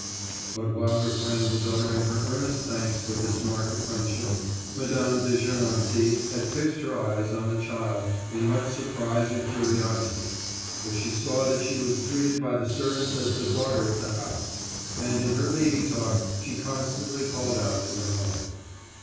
But while her friend was uttering her earnest thanks for this mark of friendship, Mme. de Gernancé had fixed her eyes on the child in much surprise and curiosity, for she saw that she was treated by the servants as the daughter of the house, and in her baby talk she constantly called out to her mother.